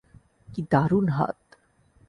কি দারুন হাত!